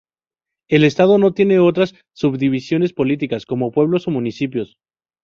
El estado no tiene otras subdivisiones políticas, como pueblos o municipios.